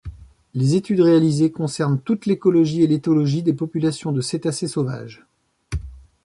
Les études réalisés concernent toutes l'écologie et l'éthologie des populations de cétacés sauvages.